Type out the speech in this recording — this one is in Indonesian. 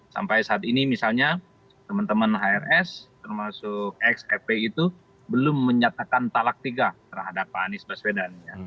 sampai saat ini misalnya teman teman hrs termasuk x fpi itu belum menyatakan talak tiga terhadap pak anies baswedan